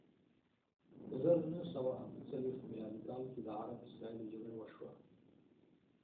په زر نه سوه اته څلویښت میلادي کال کې د عرب اسراییلو جګړه وشوه.